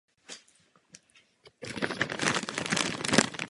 V lokalitě hnízdí sokol stěhovavý a výr velký.